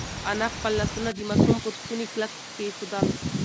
انا خپل لاسونه د ماشوم پر ستوني کلک کېښودل.